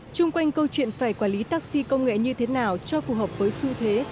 trung quanh câu chuyện phải quản lý taxi công nghệ như thế nào cho phù hợp với xu thế